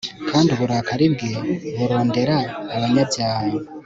kandi uburakari bwe burondera abanyabyaha